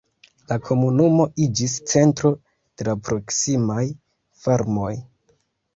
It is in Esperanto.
La komunumo iĝis centro de la proksimaj farmoj.